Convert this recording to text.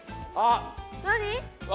何？